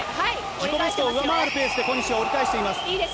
自己ベストを上回るペースで小西、折り返しています。